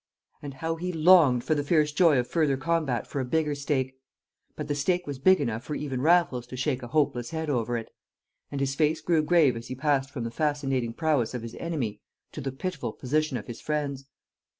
And how he longed for the fierce joy of further combat for a bigger stake! But the stake was big enough for even Raffles to shake a hopeless head over it. And his face grew grave as he passed from the fascinating prowess of his enemy to the pitiful position of his friends.